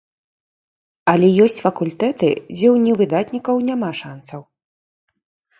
Але ёсць факультэты, дзе ў невыдатнікаў няма шанцаў.